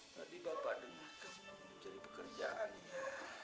tadi bapak demikian mencari pekerjaan ya